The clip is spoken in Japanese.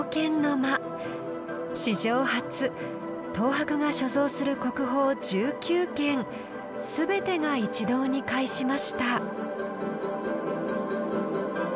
史上初東博が所蔵する国宝１９件全てが一堂に会しました。